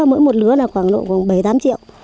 mỗi một lứa là khoảng bảy tám triệu